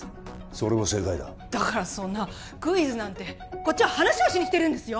それも正解だだからそんなクイズなんてこっちは話をしに来てるんですよ